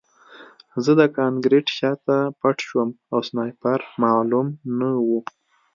زه د کانکریټ شاته پټ شوم او سنایپر معلوم نه و